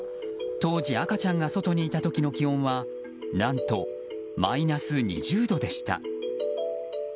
当時、赤ちゃんが外にいた時に気温は何と、マイナス２０度でした。